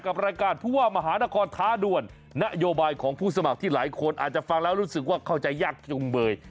รายการผู้ว่ามหานครท้าด่วนนโยบายของผู้สมัครที่หลายคนอาจจะฟังแล้วรู้สึกว่าเข้าใจยากจุงเบย